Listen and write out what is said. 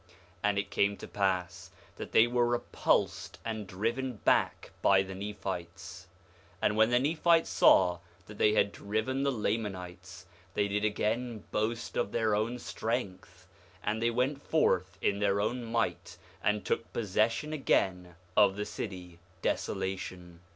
4:8 And it came to pass that they were repulsed and driven back by the Nephites. And when the Nephites saw that they had driven the Lamanites they did again boast of their own strength; and they went forth in their own might, and took possession again of the city Desolation.